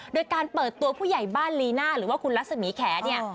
โดยการเปิดตัวผู้ใหญ่บ้านลีน่าหรือว่าคุณรัศมีแขเนี่ย